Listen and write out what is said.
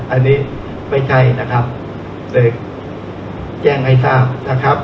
อันนี้ไม่ใช่เลยแจ้งให้ทราบ